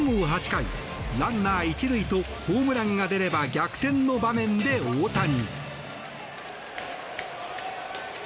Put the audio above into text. ８回ランナー１塁とホームランが出れば逆転の場面で大谷。